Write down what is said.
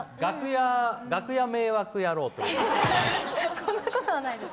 そんなことはないです。